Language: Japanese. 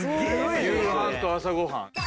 夕飯と朝ご飯。